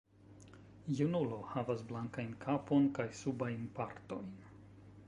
Junulo havas blankajn kapon kaj subajn partojn.